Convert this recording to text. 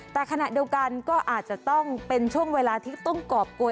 แต่ขณะเดียวกันก็อาจจะต้องเป็นช่วงเวลาที่ต้องกรอบโกย